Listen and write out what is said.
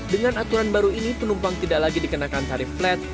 dengan aturan baru ini penumpang tidak lagi dikenakan tarif flat